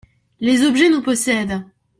Les objets nous possèdent.